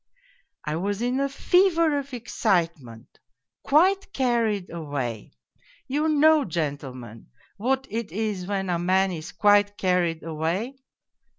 I was in a fever of excitement, quite carried away you know, gentlemen, what it is when a man is quite carried away